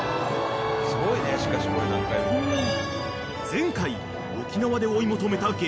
［前回沖縄で追い求めた激